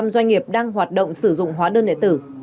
một trăm linh doanh nghiệp đang hoạt động sử dụng hóa đơn điện tử